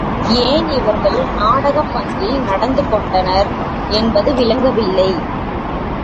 ஏன் இவர்கள் நாடகப் பாங்கில் நடந்து கொண்டனர் என்பது விளங்கவில்லை.